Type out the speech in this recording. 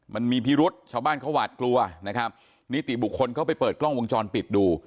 มันมีพิรุษชาวบ้านเขาหวาดกลัวนะครับนิติบุคคลเขาไปเปิดกล้องวงจรปิดดู